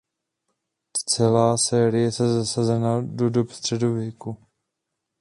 Celá série je zasazena do dob středověku.